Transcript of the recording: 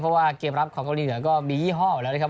เพราะว่าเกมรับของเกาหลีเหนือก็มียี่ห้ออยู่แล้วนะครับ